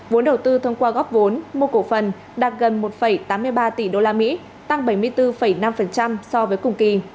vốn đầu tư thông qua góp vốn mua cổ phần đạt gần một tám mươi ba tỷ usd tăng bảy mươi bốn năm so với cùng kỳ